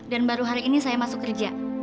dan baru hari ini saya masuk kerja